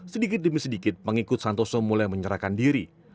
sedikit demi sedikit pengikut santoso mulai menyerahkan diri